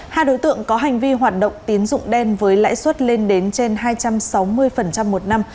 hai đối tượng có hành vi hoạt động tín dụng đen với lãi suất lên đến trên hai trăm sáu mươi một năm